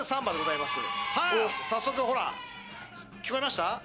・早速ほら聞こえました？